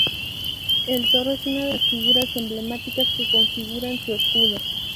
El toro es una de las figuras emblemáticas que configuran su escudo.